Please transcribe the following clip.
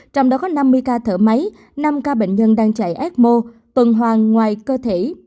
trong đó có năm mươi ca thở máy năm ca bệnh nhân đang chạy ecmo tuần hoàng ngoài cơ thể